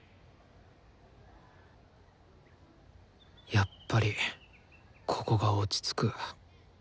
やっぱりここが落ち着く。